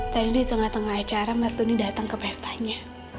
tadi di tengah tengah acara mas doni datang ke pestanya